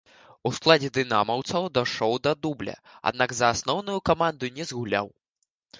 У складзе дынамаўцаў дайшоў да дубля, аднак за асноўную каманду не згуляў.